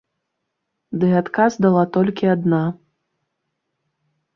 Ды адказ дала толькі адна.